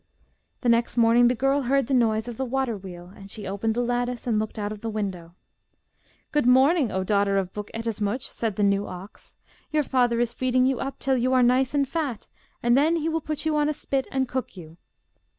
The next morning the girl heard the noise of the waterwheel, and she opened the lattice and looked out of the window. 'Good morning, O daughter of Buk Ettemsuch!' said the new ox. 'Your father is feeding you up till you are nice and fat, and then he will put you on a spit and cook you.